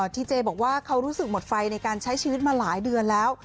ที่เจบอกว่าเขารู้สึกหมดไฟในการใช้ชีวิตมาหลายเดือนแล้ว